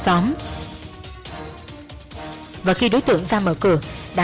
và khi đối tượng ra mở cửa đán lập tức không chỉ đối tượng dẫn dài về trụ sở cơ quan điều tra